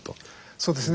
そうですね